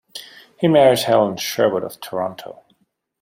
He married Helen Sherwood of Toronto.